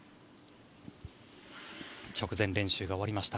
直前練習が終わりました。